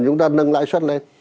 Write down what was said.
chúng ta nâng lãi suất lên